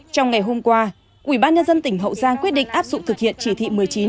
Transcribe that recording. trong ngày hôm qua ubnd tỉnh hậu giang quyết định áp dụng thực hiện chỉ thị một mươi chín